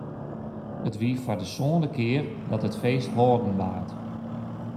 It wie foar de sânde kear dat it feest hâlden waard.